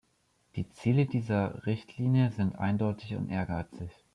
Die Ziele dieser Richtlinie sind eindeutig und ehrgeizig.